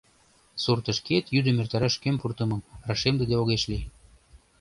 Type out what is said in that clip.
Суртышкет йӱдым эртараш кӧм пуртымым рашемдыде огеш лий.